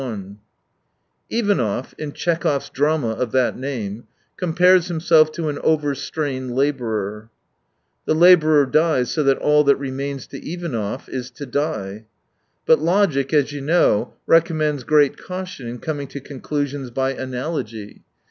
8i Ivanov, in Tchekhov's drama of that name, compares himself to an overstrained labourer. The labourer dies, so that all that remains to Ivanov is to die. But logic, as you know, recommends great caution in conaing to conclusions by analogy.